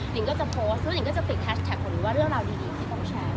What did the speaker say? หนึ่งก็จะโพสต์หนึ่งก็จะติดแท็ชแท็กของหนึ่งว่าเรื่องราวดีที่ต้องแชร์